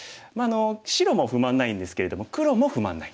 白も不満ないんですけれども黒も不満ないです。